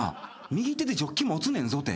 右手でジョッキ持つねんぞて。